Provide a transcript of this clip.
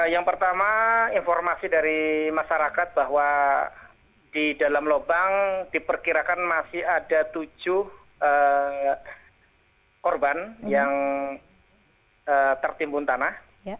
yang pertama informasi dari masyarakat bahwa di dalam lubang diperkirakan masih ada tujuh korban yang tertimbun tanah